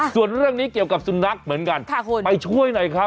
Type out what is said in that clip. ส่วนเรื่องนี้เกี่ยวกับสุนัขเหมือนกันไปช่วยหน่อยครับ